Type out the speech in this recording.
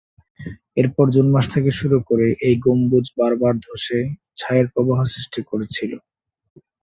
এরপর জুন মাস থেকে শুরু করে, এই গম্বুজ বারবার ধসে ছাইয়ের প্রবাহ সৃষ্টি করেছিল।